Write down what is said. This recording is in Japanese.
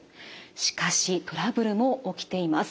しかしトラブルも起きています。